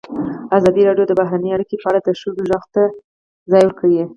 ازادي راډیو د بهرنۍ اړیکې په اړه د ښځو غږ ته ځای ورکړی.